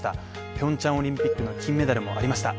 ピョンチャンオリンピックの金メダルもありました。